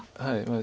はい。